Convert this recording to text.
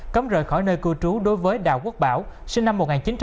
cấm rời khỏi nơi cư trú đối với đào quốc bảo sinh năm một nghìn chín trăm tám mươi